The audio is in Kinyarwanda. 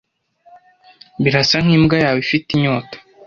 Birasa nkimbwa yawe ifite inyota.